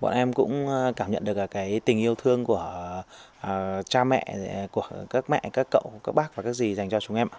bọn em cũng cảm nhận được là cái tình yêu thương của cha mẹ của các mẹ các cậu các bác và các dì dành cho chúng em